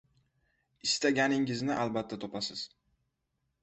Istaganingizni albatta topasiz.